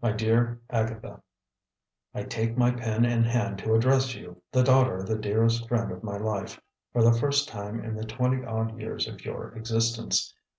"MY DEAR AGATHA: "I take my pen in hand to address you, the daughter of the dearest friend of my life, for the first time in the twenty odd years of your existence.